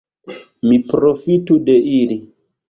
Mi profitu de ili.